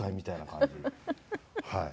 はい。